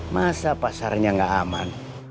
masa pasarnya gak aman